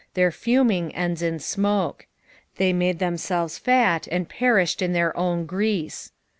Their foming ends in smoke. They made themselves fat, and perished m their own grease.